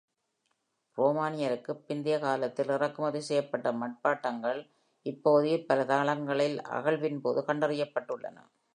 ரோமானியருக்குப் பிந்தைய காலத்தில் இறக்குமதி செய்யப்பட்ட மட்பாண்டங்கள் இப்பகுதியில் பல தளங்களில் அகழ்வின்போது கண்டறியப்பட்டுள்ளன.